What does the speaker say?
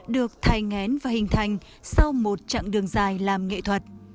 được thay ngén và hình thành sau một chặng đường dài làm nghệ thuật